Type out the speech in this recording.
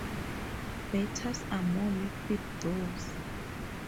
Batters are more liquid doughs.